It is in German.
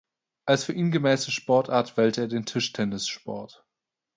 Als für ihn gemäße Sportart wählt er den Tischtennissport.